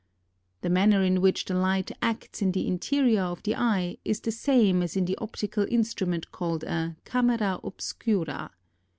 23. The manner in which the light acts in the interior of the eye, is the same as in the optical instrument called a camera ob scura.